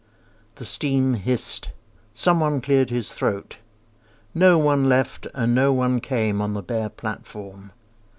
The steam hissed. Someone cleared his throat. No one left and no one came On the bare platform.